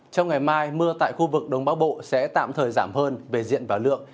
trong ngày mai mưa tại khu vực đông bắc bộ sẽ tạm thời giảm hơn về diện và lượng